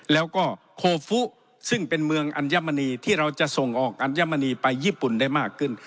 แล้วก็โคฟุซึ่งเป็นเมืองอัญมณีที่เราจะส่งออกอัญมณีไปญี่ปุ่นได้มากขึ้น